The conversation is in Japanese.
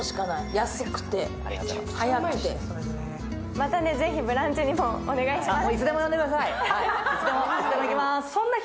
またぜひ「ブランチ」にもお願いします。